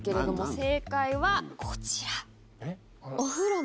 正解はこちら。